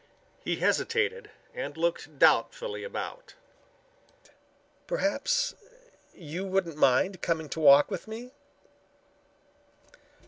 He hesitated and looked doubtfully about. "Perhaps you wouldn't mind coming to walk with me?"